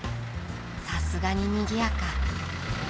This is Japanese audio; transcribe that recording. さすがににぎやか。